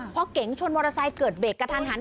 พอเก๋งชนมอเตอร์ไซค์เกิดเบรกกระทันหัน